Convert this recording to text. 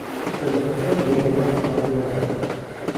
Через це люди Вас не обирають.